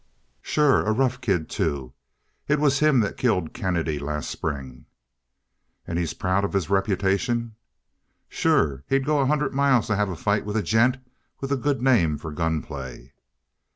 "Sure. A rough kid, too. It was him that killed Kennedy last spring." "And he's proud of his reputation?" "Sure. He'd go a hundred miles to have a fight with a gent with a good name for gunplay."